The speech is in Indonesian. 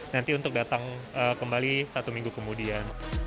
nanti untuk datang kembali satu minggu kemudian